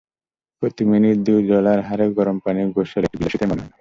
প্রতি মিনিট দুই ডলার হারে গরম পানির গোসল একটু বিলাসিতাই মনে হলো।